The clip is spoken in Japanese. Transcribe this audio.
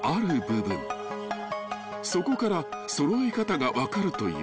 ［そこから揃え方が分かるという］